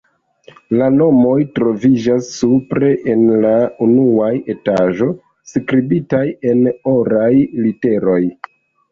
La nomoj troviĝas supre en la unua etaĝo, skribitaj en oraj literoj.